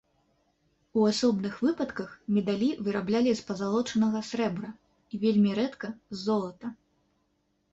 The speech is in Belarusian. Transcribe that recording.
У асобных выпадках медалі выраблялі з пазалочанага срэбра і вельмі рэдка з золата.